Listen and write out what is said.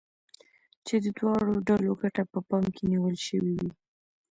چې د دواړو ډلو ګټه په پام کې نيول شوې وي.